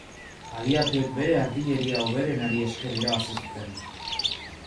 Aliatuek bere artilleria hoberenari esker irabazi zuten.